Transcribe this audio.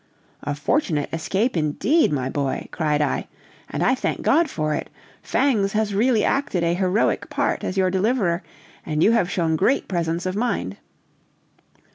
"A fortunate escape indeed, my boy!" cried I, "and I thank God for it. Fangs has really acted a heroic part as your deliverer, and you have shown great presence of mind.